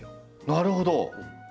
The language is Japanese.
なるほど。